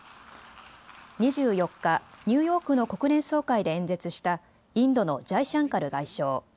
２４日、ニューヨークの国連総会で演説したインドのジャイシャンカル外相。